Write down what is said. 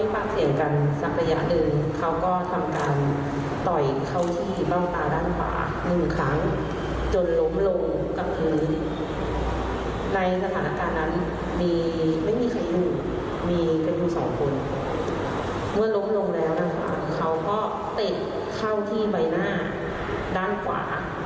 พูดถึงแล้วนะครับเขาก็เตทเข้าที่ใบหน้าด้านขวา